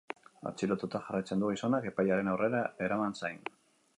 Atxilotuta jarraitzen du gizonak, epailearen aurrera eraman zain.